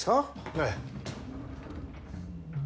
ええ。